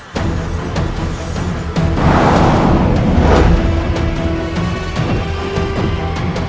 kau akan menang